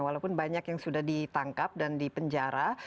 walaupun banyak yang sudah ditangkap dan dipenjara